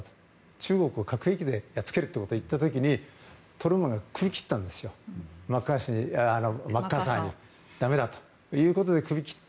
中国を核兵器でやっつけるということを言った時にトルーマンが首を切ったんですマッカーサーにだめだということで首を切った。